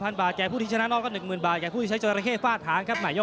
ในวันที่๓๐วันเสาร์นะ